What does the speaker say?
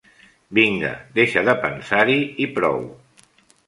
Vinga, deixa de pensar-hi i prou.